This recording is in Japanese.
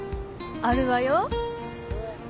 あるわよ。